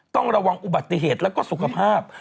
ต้องระวังอุบัติเหตุแล้วก็สุขภาพ